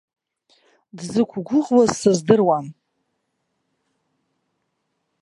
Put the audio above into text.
Дзықәгәыӷуаз сыздырам.